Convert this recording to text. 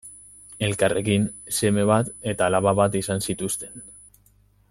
Elkarrekin seme bat eta alaba bat izan zituzten.